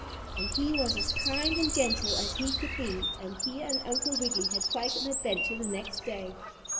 and he was as kind and gentle as he could be and he and Uncle Wiggily had quite an adventure the next day.